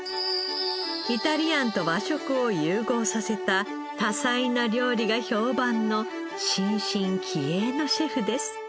イタリアンと和食を融合させた多彩な料理が評判の新進気鋭のシェフです。